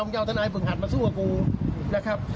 จะเอาทนายบึงหัดมาสู้กับกูนะครับ